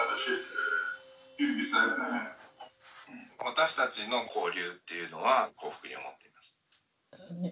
私たちの交流っていうのは幸福に思っています。